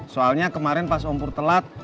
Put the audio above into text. soalnya kemarin pas om pur telat